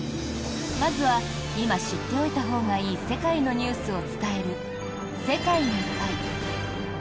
まずは今、知っておいたほうがいい世界のニュースを伝える「世界な会」。